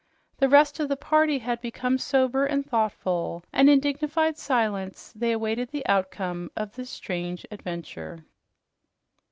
The rest of the party had become sober and thoughtful, and in dignified silence they awaited the outcome of this strange adventure.